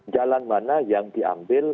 jalan mana yang diambil